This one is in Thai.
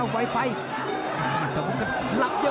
แล้วทีมงานน่าสื่อ